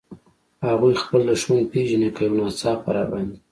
هغوی خپل دښمن پېژني، که یو ناڅاپه را باندې.